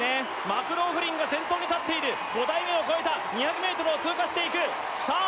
マクローフリンが先頭に立っている５台目を越えた２００ｍを通過していくさあ